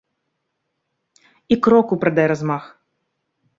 І кроку прыдай размах!